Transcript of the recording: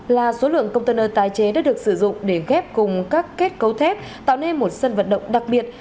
chín trăm bảy mươi bốn là số lượng container tái chế đã được sử dụng để ghép cùng các kết cấu thép tạo nên một sân vận động đặc biệt